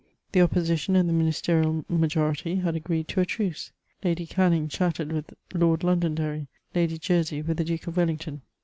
The opposition and the ministerial majority had agreed to a truce : LjBuiy Canning chatted with Lord Londooderry, Lady Jersey with the Duke of W^ington.